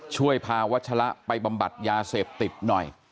ช่วยพาวัชละไปบำบัดยาเสพติดหน่อย